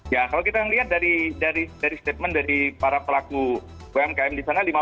ya kalau kita lihat dari statement dari para pelaku umkm di sana